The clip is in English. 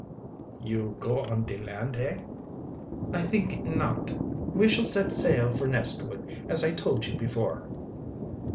"You go on de land, hey?" "I think not. We shall set sail for Nestwood, as I told you before."